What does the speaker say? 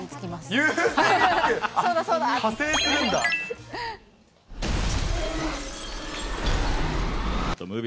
そうだ、そうだって。